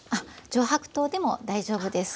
上白糖でも大丈夫です。